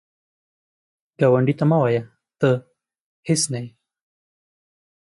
ګاونډي ته مه وایه “ته هیڅ نه یې”